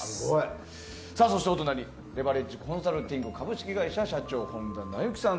そしてレバレッジコンサルティング株式会社社長本田直之さん。